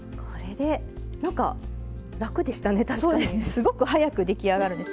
すごく早く出来上がるんです。